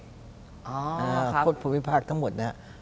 โทษภูมิภาคทั้งหมดนะครับ